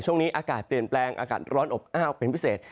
ช่วงนี้อากาศเปลี่ยนแปลงอากาศร้อนอบอ้าวเป็นพิเศษ